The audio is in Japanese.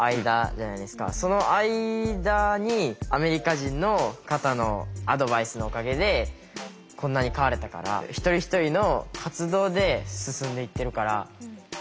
その間にアメリカ人の方のアドバイスのおかげでこんなに変われたから一人一人の活動で進んでいってるからそういうのは重要かなって。